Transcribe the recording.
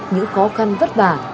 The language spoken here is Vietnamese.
những khó khăn vất vả